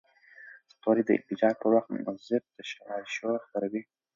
ستوري د انفجار پر وخت مضر تشعشع خپروي.